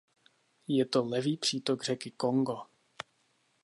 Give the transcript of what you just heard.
Je to levý přítok řeky Kongo.